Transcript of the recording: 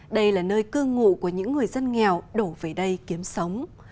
đây là nơi cư ngụ của những người dân nghèo đổ về đây kiếm sống